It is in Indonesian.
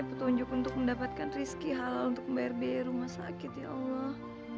petunjuk untuk mendapatkan rizki halal untuk membayar biaya rumah sakit ya allah